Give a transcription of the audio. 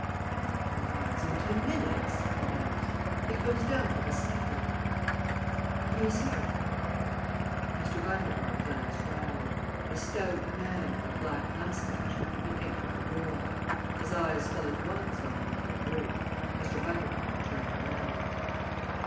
"He arrives in ten minutes," he announced. "He comes down for the supper. He is here." Mr. Bundercombe glanced round. A stout man, with a black mustache, had entered the room. His eyes fell at once on the little group. Mr. Bundercombe turned round.